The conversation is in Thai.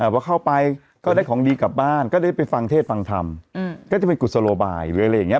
พอเข้าไปก็ได้ของดีกลับบ้านก็ได้ไปฟังเทศฟังธรรมก็จะเป็นกุศโลบาย